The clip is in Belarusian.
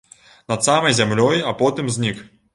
Над самай зямлёй, а потым знік.